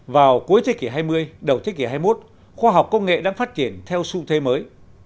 vào cuối thế kỷ hai mươi đầu thế kỷ hai mươi một khoa học công nghệ đang phát triển theo xu thế mới